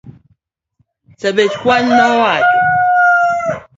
Chebaskwony nowacho.